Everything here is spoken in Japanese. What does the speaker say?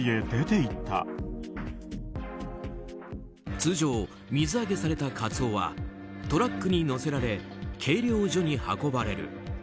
通常、水揚げされたカツオはトラックに載せられ計量所に運ばれる。